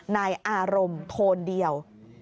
นายอารมณ์โทนเดียว